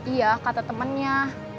iya kata temannya